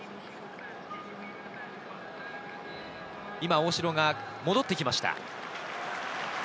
今、大城が戻ってきました。